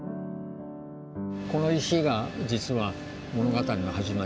この石が実は物語の始まりで。